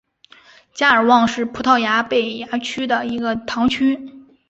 加尔旺是葡萄牙贝雅区的一个堂区。